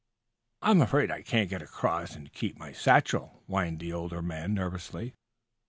"I'm afraid I can't get across and keep my satchel," whined the older man, nervously.